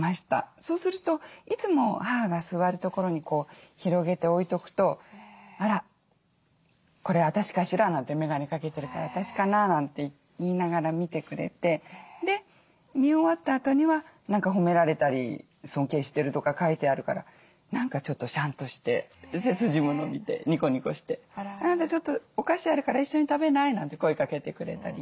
そうするといつも母が座る所に広げて置いとくと「あらこれ私かしら」なんて「眼鏡かけてるから私かな」なんて言いながら見てくれてで見終わったあとには何か褒められたり尊敬してるとか書いてあるから何かちょっとシャンとして背筋も伸びてニコニコして「あなたちょっとお菓子あるから一緒に食べない？」なんて声かけてくれたり。